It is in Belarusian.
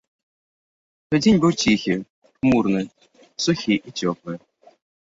Той дзень быў ціхі, хмурны, сухі і цёплы.